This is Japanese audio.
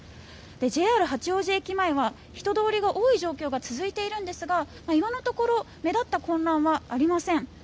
八王子駅前は人通りが多い状況が続いているんですが今のところ目立った混乱はありません。